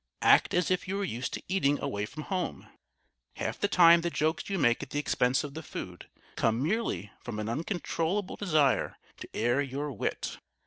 Act as if you were used to eating away from home. Half the time the jokes you make at the expense of the food come merely from an uncontrollable desire to air your wit.